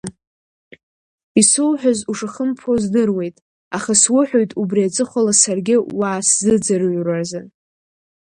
Исоуҳәаз ушахымԥо здыруеит, аха суҳәоит убри аҵыхәала саргьы уаасзыӡырҩразы!